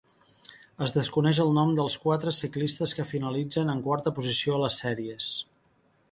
Es desconeix el nom dels quatre ciclistes que finalitzen en quarta posició a les sèries.